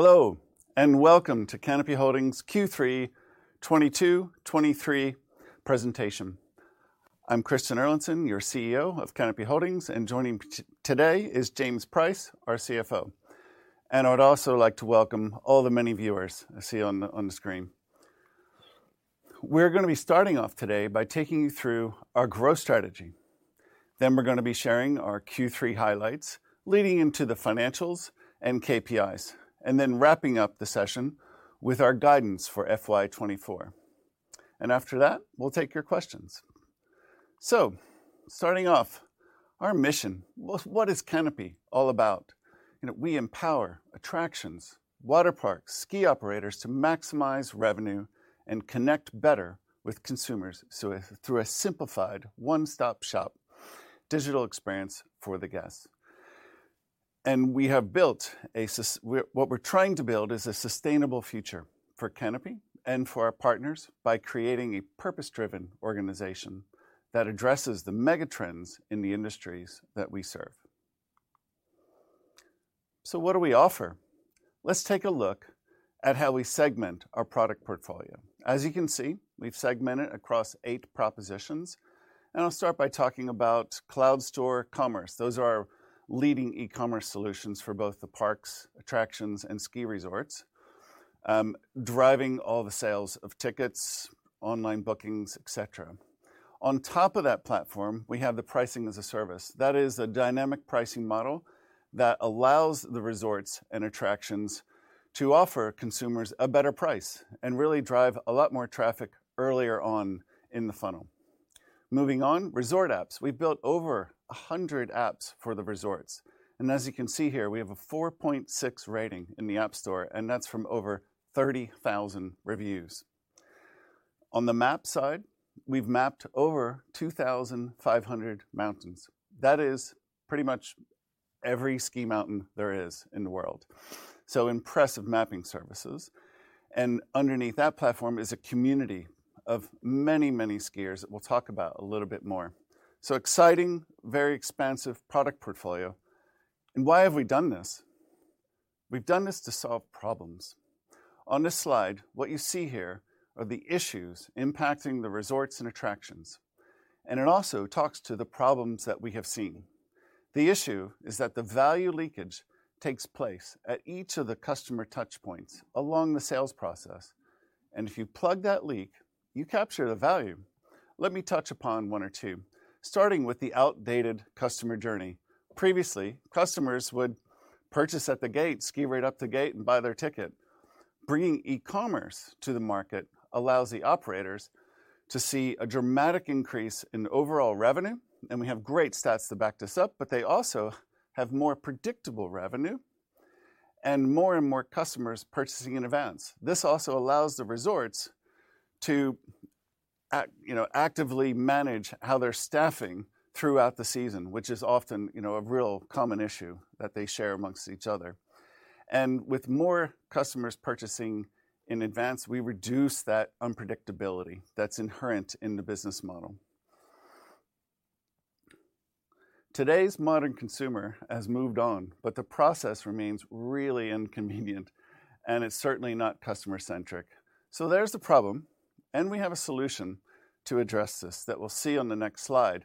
Hello, welcome to Canopy Holdings' Q3 2022-2023 presentation. I'm Christian Erlandson, your CEO of Canopy Holdings, and joining today is James Price, our CFO. I would also like to welcome all the many viewers I see on the screen. We're gonna be starting off today by taking you through our growth strategy. We're gonna be sharing our Q3 highlights, leading into the financials and KPIs, and then wrapping up the session with our guidance for FY 2024. After that, we'll take your questions. Starting off, our mission. What is Canopy all about? You know, we empower attractions, water parks, ski operators to maximize revenue and connect better with consumers through a simplified one-stop shop digital experience for the guests. What we're trying to build is a sustainable future for Canopy and for our partners by creating a purpose-driven organization that addresses the mega trends in the industries that we serve. What do we offer? Let's take a look at how we segment our product portfolio. As you can see, we've segmented across eight propositions, and I'll start by talking about Cloud Store Commerce. Those are our leading eCommerce solutions for both the parks, attractions, and ski resorts, driving all the sales of tickets, online bookings, et cetera. On top of that platform, we have the Pricing as a Service. That is a dynamic pricing model that allows the resorts and attractions to offer consumers a better price and really drive a lot more traffic earlier on in the funnel. Moving on, resort apps. We've built over 100 apps for the resorts, and as you can see here, we have a 4.6 rating in the App Store, and that's from over 30,000 reviews. On the map side, we've mapped over 2,500 mountains. That is pretty much every ski mountain there is in the world. Impressive mapping services. Underneath that platform is a community of many, many skiers that we'll talk about a little bit more. Exciting, very expansive product portfolio. Why have we done this? We've done this to solve problems. On this slide, what you see here are the issues impacting the resorts and attractions, and it also talks to the problems that we have seen. The issue is that the value leakage takes place at each of the customer touch points along the sales process, if you plug that leak, you capture the value. Let me touch upon one or two, starting with the outdated customer journey. Previously, customers would purchase at the gate, ski right up the gate, buy their ticket. Bringing eCommerce to the market allows the operators to see a dramatic increase in overall revenue, we have great stats to back this up, they also have more predictable revenue and more and more customers purchasing in advance. This also allows the resorts to, you know, actively manage how they're staffing throughout the season, which is often, you know, a real common issue that they share amongst each other. With more customers purchasing in advance, we reduce that unpredictability that's inherent in the business model. Today's modern consumer has moved on, but the process remains really inconvenient, and it's certainly not customer-centric. There's the problem, and we have a solution to address this that we'll see on the next slide.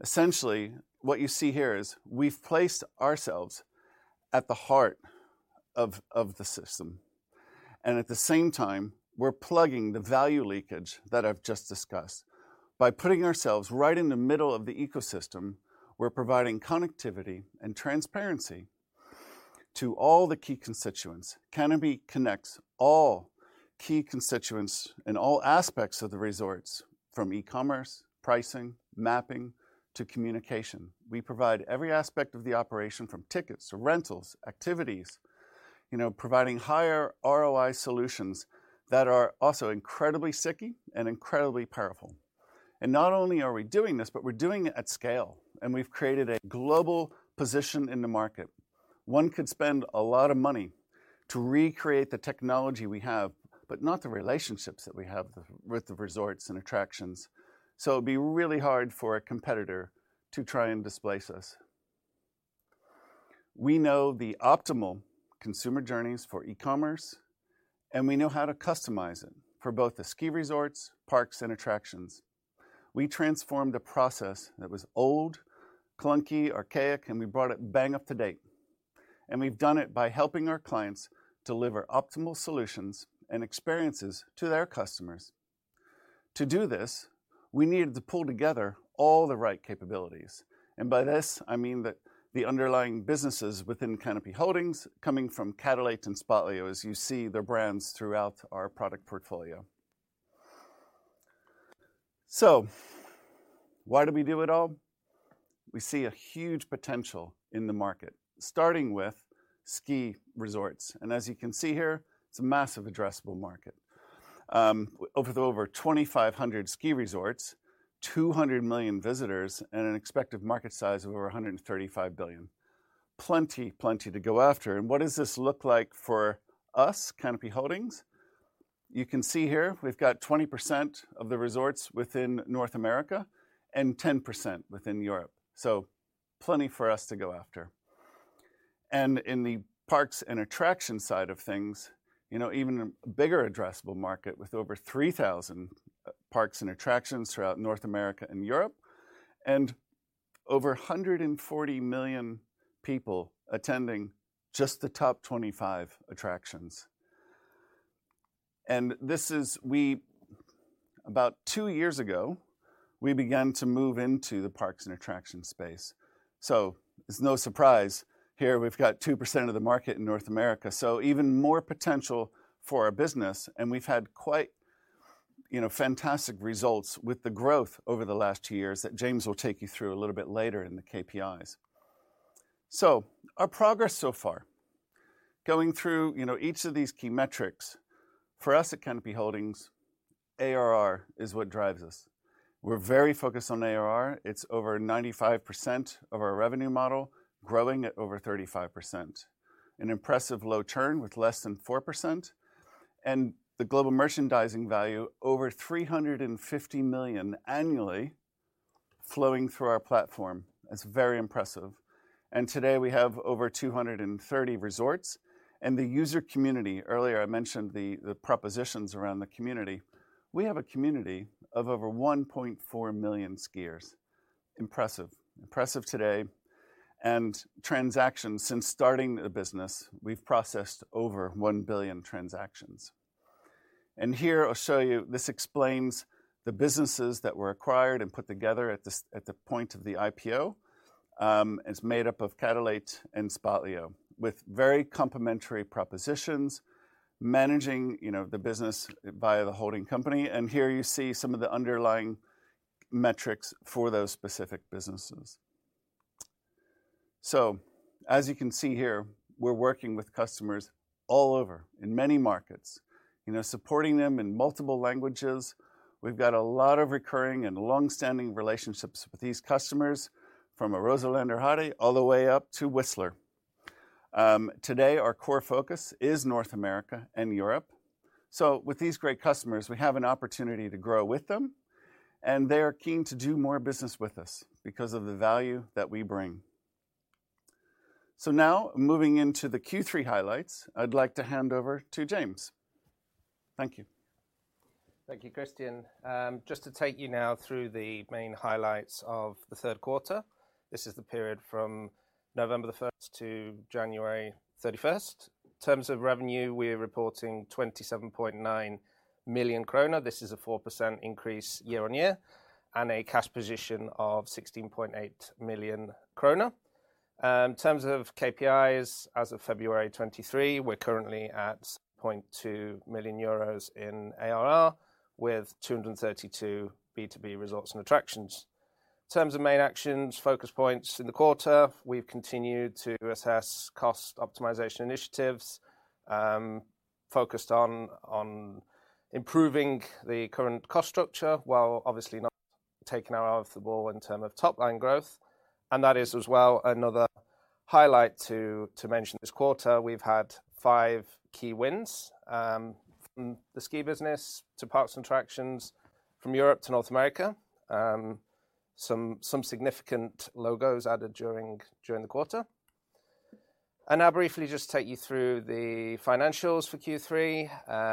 Essentially, what you see here is we've placed ourselves at the heart of the system. At the same time, we're plugging the value leakage that I've just discussed. By putting ourselves right in the middle of the ecosystem, we're providing connectivity and transparency to all the key constituents. Canopy connects all key constituents in all aspects of the resorts, from eCommerce, pricing, mapping, to communication. We provide every aspect of the operation from tickets to rentals, activities, you know, providing higher ROI solutions that are also incredibly sticky and incredibly powerful. Not only are we doing this, but we're doing it at scale, and we've created a global position in the market. One could spend a lot of money to recreate the technology we have, but not the relationships that we have with the resorts and attractions. It'd be really hard for a competitor to try and displace us. We know the optimal consumer journeys for eCommerce, and we know how to customize it for both the ski resorts, parks, and attractions. We transformed a process that was old, clunky, archaic, and we brought it bang up to date, and we've done it by helping our clients deliver optimal solutions and experiences to their customers. To do this, we needed to pull together all the right capabilities, by this I mean the underlying businesses within Canopy Holdings coming from Catalate and Spotlio, as you see their brands throughout our product portfolio. Why do we do it all? We see a huge potential in the market, starting with ski resorts. As you can see here, it's a massive addressable market. With over 2,500 ski resorts, 200 million visitors, and an expected market size of over 135 billion. Plenty to go after. What does this look like for us, Canopy Holdings? You can see here we've got 20% of the resorts within North America and 10% within Europe. Plenty for us to go after. In the parks and attraction side of things, you know, even a bigger addressable market with over 3,000 parks and attractions throughout North America and Europe, and over 140 million people attending just the top 25 attractions. About two years ago, we began to move into the parks and attractions space. It's no surprise here we've got 2% of the market in North America, so even more potential for our business, and we've had quite, you know, fantastic results with the growth over the last two years that James will take you through a little bit later in the KPIs. Our progress so far. Going through, you know, each of these key metrics, for us at Canopy Holdings, ARR is what drives us. We're very focused on ARR. It's over 95% of our revenue model, growing at over 35%. An impressive low churn with less than 4%. The global merchandising value over 350 million annually flowing through our platform. That's very impressive. Today we have over 230 resorts. The user community, earlier I mentioned the propositions around the community. We have a community of over 1.4 million skiers. Impressive. Impressive today. Transactions. Since starting the business, we've processed over 1 billion transactions. Here I'll show you, this explains the businesses that were acquired and put together at the point of the IPO. It's made up of Catalate and Spotlio, with very complementary propositions, managing, you know, the business via the holding company. Here you see some of the underlying metrics for those specific businesses. As you can see here, we're working with customers all over in many markets, you know, supporting them in multiple languages. We've got a lot of recurring and long-standing relationships with these customers, from Arosa Lenzerheide all the way up to Whistler. Today our core focus is North America and Europe. With these great customers, we have an opportunity to grow with them, and they are keen to do more business with us because of the value that we bring. Now moving into the Q3 highlights, I'd like to hand over to James. Thank you. Thank you, Christian. Just to take you now through the main highlights of the third quarter. This is the period from November 1st to January 31st. In terms of revenue, we're reporting 27.9 million kroner. This is a 4% increase year-on-year, and a cash position of 16.8 million kroner. In terms of KPIs, as of February 23, we're currently at 0.2 million euros in ARR with 232 B2B resorts and attractions. In terms of main actions, focus points in the quarter, we've continued to assess cost optimization initiatives, focused on improving the current cost structure, while obviously not taking our eye off the ball in term of top-line growth. That is as well another highlight to mention this quarter. We've had five key wins from the ski business to parks and attractions, from Europe to North America. Some significant logos added during the quarter. I'll now briefly just take you through the financials for Q3.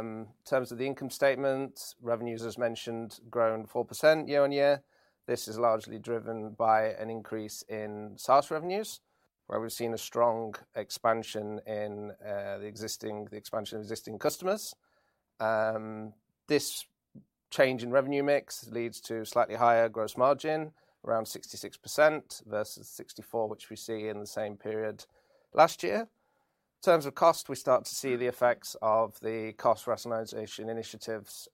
In terms of the income statement, revenues, as mentioned, grown 4% year-on-year. This is largely driven by an increase in SaaS revenues, where we've seen a strong expansion in the expansion of existing customers. This change in revenue mix leads to slightly higher gross margin, around 66% versus 64%, which we see in the same period last year. In terms of cost, we start to see the effects of the cost rationalization initiatives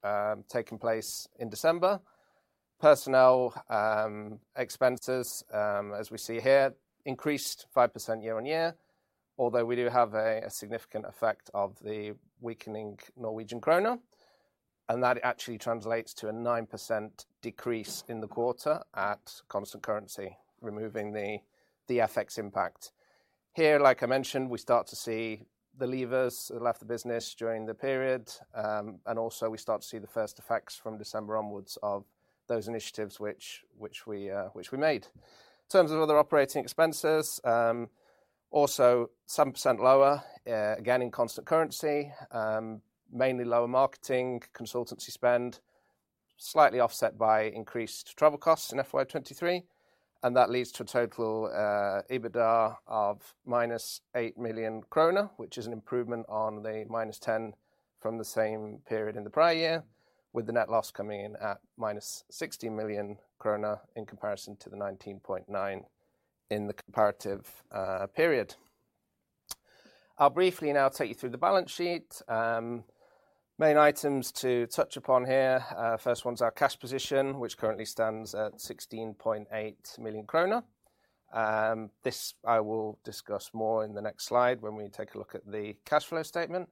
taking place in December. Personnel expenses, as we see here, increased 5% year-on-year, although we do have a significant effect of the weakening Norwegian kroner. That actually translates to a 9% decrease in the quarter at constant currency, removing the FX impact. Here, like I mentioned, we start to see the leavers that left the business during the period. Also, we start to see the first effects from December onwards of those initiatives which we made. In terms of other operating expenses, also 7% lower again in constant currency. Mainly lower marketing, consultancy spend, slightly offset by increased travel costs in FY 2023. That leads to a total EBITDA of -8 million kroner, which is an improvement on the -10 from the same period in the prior year, with the net loss coming in at -60 million kroner in comparison to the 19.9 in the comparative period. I'll briefly now take you through the balance sheet. Main items to touch upon here, first one's our cash position, which currently stands at 16.8 million kroner. This I will discuss more in the next slide when we take a look at the cash flow statement.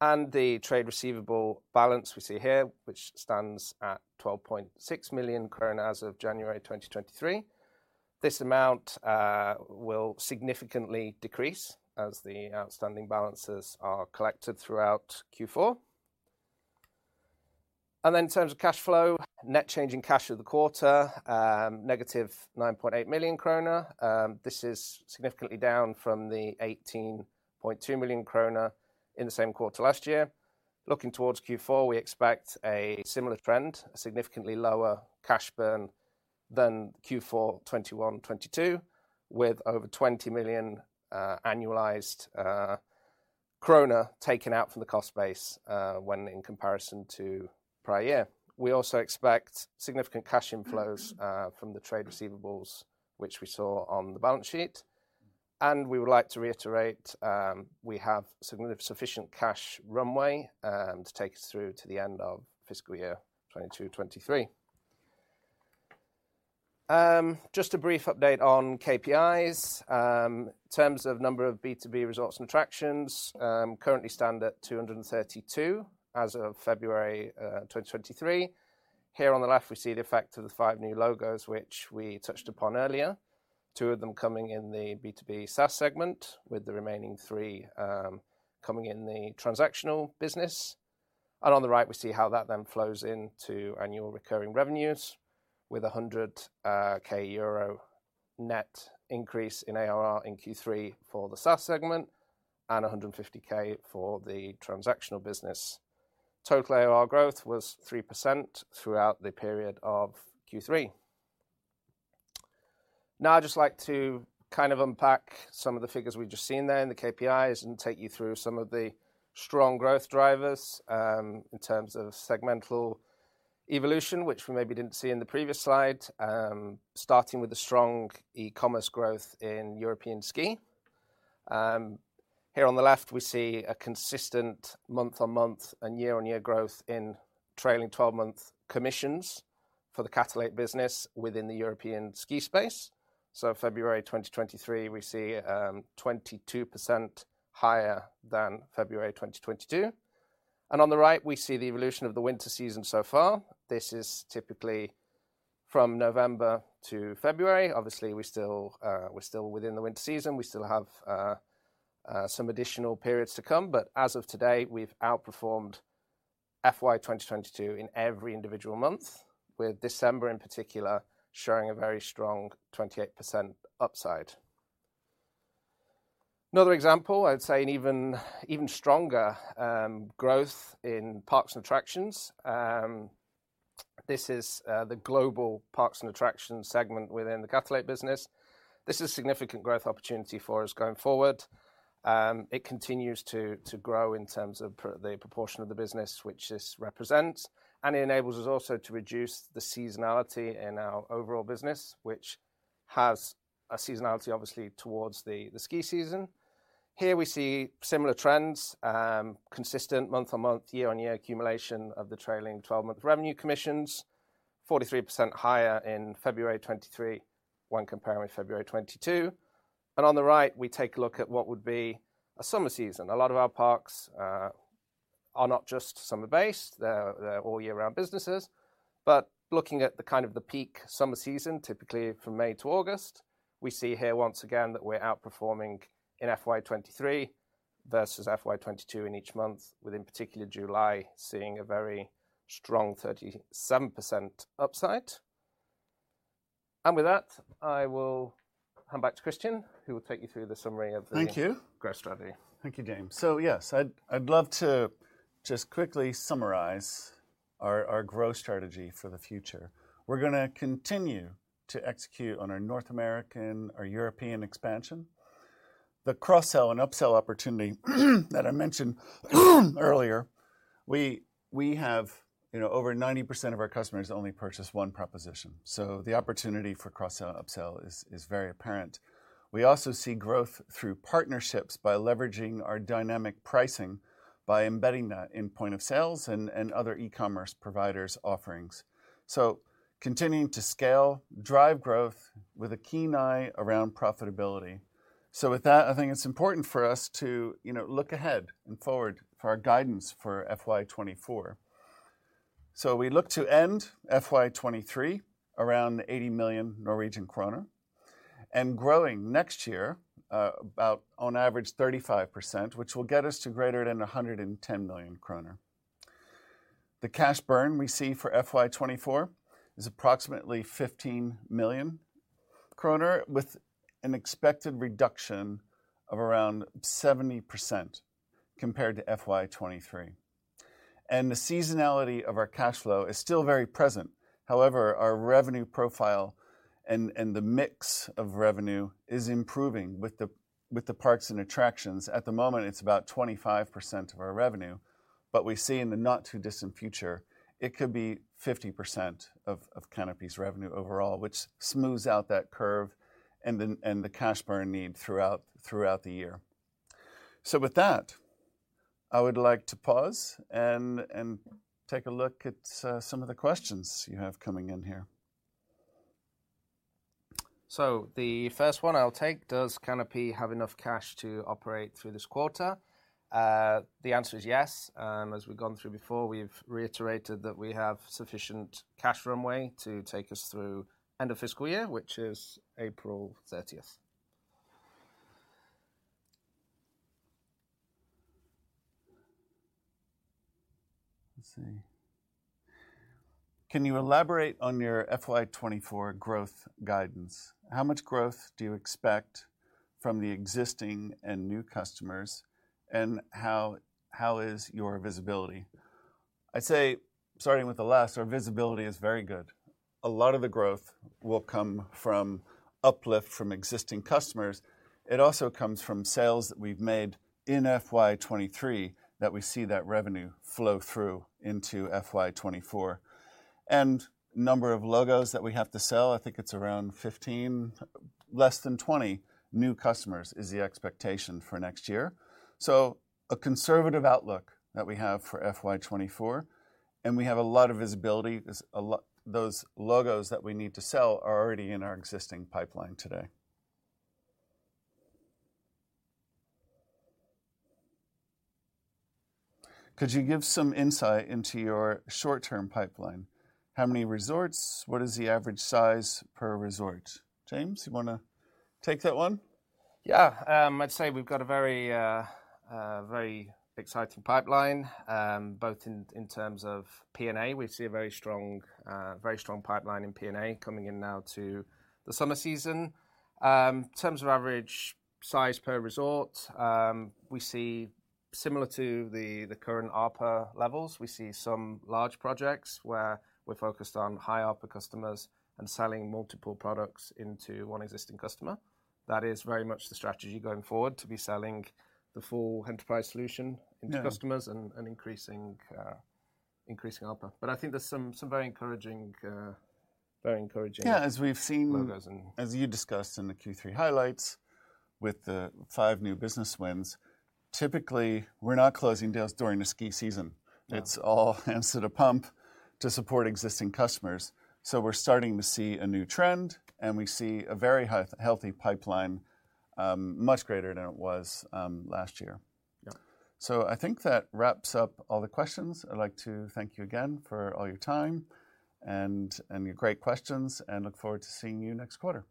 The trade receivable balance we see here, which stands at 12.6 million krone as of January 2023. This amount will significantly decrease as the outstanding balances are collected throughout Q4. In terms of cash flow, net change in cash of the quarter, -9.8 million krone. This is significantly down from the 18.2 million krone in the same quarter last year. Looking towards Q4, we expect a similar trend, a significantly lower cash burn than Q4 2021, 2022, with over 20 million krone annualized kroner taken out from the cost base when in comparison to prior year. We also expect significant cash inflows from the trade receivables, which we saw on the balance sheet. We would like to reiterate, we have sufficient cash runway, to take us through to the end of fiscal year 2022, 2023. Just a brief update on KPIs. Terms of number of B2B resorts and attractions, currently stand at 232 as of February 2023. Here on the left, we see the effect of the five new logos which we touched upon earlier, two of them coming in the B2B SaaS segment, with the remaining three coming in the transactional business. On the right, we see how that then flows into annual recurring revenues with a 100,000 euro net increase in ARR in Q3 for the SaaS segment and 150,000 for the transactional business. Total ARR growth was 3% throughout the period of Q3. Now, I'd just like to kind of unpack some of the figures we've just seen there in the KPIs and take you through some of the strong growth drivers, in terms of segmental evolution, which we maybe didn't see in the previous slide. Starting with the strong eCommerce growth in European ski. Here on the left, we see a consistent month-on-month and year-on-year growth in trailing 12-month commissions for the Catalate business within the European ski space. February 2023, we see 22% higher than February 2022. On the right, we see the evolution of the winter season so far. This is typically from November to February. Obviously, we're still within the winter season. We still have some additional periods to come. As of today, we've outperformed FY 2022 in every individual month, with December in particular showing a very strong 28% upside. Another example, I'd say an even stronger growth in parks and attractions. This is the global parks and attractions segment within the Catalate business. This is a significant growth opportunity for us going forward. It continues to grow in terms of the proportion of the business which this represents. It enables us also to reduce the seasonality in our overall business, which has a seasonality obviously towards the ski season. Here we see similar trends, consistent month-on-month, year-on-year accumulation of the trailing 12-month revenue commissions, 43% higher in February 2023 when comparing February 2022. On the right, we take a look at what would be a summer season. A lot of our parks are not just summer-based, they're all year-round businesses. Looking at the kind of the peak summer season, typically from May to August, we see here once again that we're outperforming in FY 2023 versus FY 2022 in each month, with in particular July seeing a very strong 37% upside. With that, I will hand back to Christian, who will take you through the summary of the growth strategy. Thank you. Thank you, James. Yes, I'd love to just quickly summarize our growth strategy for the future. We're gonna continue to execute on our North American or European expansion. The cross-sell and upsell opportunity that I mentioned earlier, we have, you know, over 90% of our customers only purchase one proposition. The opportunity for cross-sell and upsell is very apparent. We also see growth through partnerships by leveraging our dynamic pricing by embedding that in point of sales and other eCommerce providers' offerings. Continuing to scale, drive growth with a keen eye around profitability. With that, I think it's important for us to, you know, look ahead and forward for our guidance for FY 2024. We look to end FY 2023 around 80 million Norwegian kroner and growing next year, about on average 35%, which will get us to greater than 110 million kroner. The cash burn we see for FY 2024 is approximately 15 million kroner with an expected reduction of around 70% compared to FY 2023. The seasonality of our cash flow is still very present. However, our revenue profile and the mix of revenue is improving with the parks and attractions. At the moment, it's about 25% of our revenue. We see in the not too distant future, it could be 50% of Canopy's revenue overall, which smooths out that curve and the cash burn need throughout the year. With that, I would like to pause and take a look at some of the questions you have coming in here. The first one I'll take, "Does Canopy have enough cash to operate through this quarter?" The answer is yes. As we've gone through before, we've reiterated that we have sufficient cash runway to take us through end of fiscal year, which is April 30th. Let's see. Can you elaborate on your FY 2024 growth guidance? How much growth do you expect from the existing and new customers, and how is your visibility? I'd say starting with the last, our visibility is very good. A lot of the growth will come from uplift from existing customers. It also comes from sales that we've made in FY 2023, that we see that revenue flow through into FY 2024. Number of logos that we have to sell, I think it's around 15, less than 20 new customers is the expectation for next year. A conservative outlook that we have for FY 2024, and we have a lot of visibility. Those logos that we need to sell are already in our existing pipeline today. Could you give some insight into your short-term pipeline? How many resorts? What is the average size per resort? James, you wanna take that one? Yeah. I'd say we've got a very, very exciting pipeline, both in terms of P&A. We see a very strong pipeline in P&A coming in now to the summer season. Terms of average size per resort, we see similar to the current ARPA levels. We see some large projects where we're focused on high ARPA customers and selling multiple products into one existing customer. That is very much the strategy going forward, to be selling the full enterprise solution into customers. Yeah And increasing ARPA. I think there's some very encouraging logos Yeah. As we've seen-s you discussed in the Q3 highlights with the five new business wins, typically we're not closing deals during the ski season. No. It's all hands to the pump to support existing customers. We're starting to see a new trend, and we see a very healthy pipeline, much greater than it was last year. Yep. I think that wraps up all the questions. I'd like to thank you again for all your time and your great questions, and look forward to seeing you next quarter.